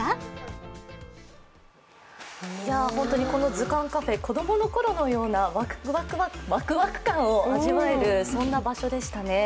図鑑カフェ、子供のころのようなワクワク感を味わえるそんな場所でしたね。